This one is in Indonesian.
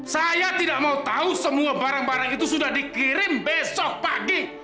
saya tidak mau tahu semua barang barang itu sudah dikirim besok pagi